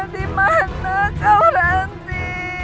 dimana kau ranti